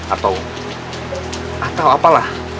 atau atau apalah